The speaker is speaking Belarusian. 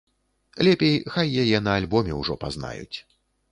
Лепей хай яе на альбоме ўжо пазнаюць.